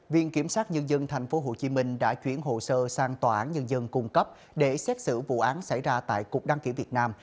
viện kiểm sát nhân dân tp hcm đã chuyển hồ sơ sang tòa án nhân dân cung cấp để xét xử vụ án xảy ra tại cục đăng kiểm việt nam